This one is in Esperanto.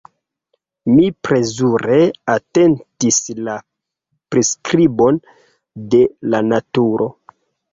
Mi plezure atentis la priskribon de la naturo.